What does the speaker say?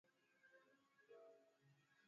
weka mafuta jikoni mpaka yatokote